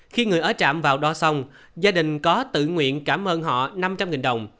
khi người ở trạm vào đo xong gia đình có tự nguyện cảm ơn họ năm trăm linh đồng